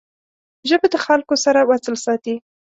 ژبه د خلګو سره وصل ساتي